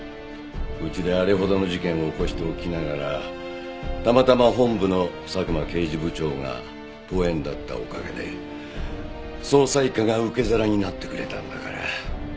うちであれほどの事件を起こしておきながらたまたま本部の佐久間刑事部長が遠縁だったおかげで捜査一課が受け皿になってくれたんだから。